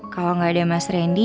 kalau nggak ada mas randy